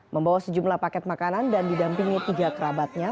membawa sejumlah paket makanan dan didampingi tiga kerabatnya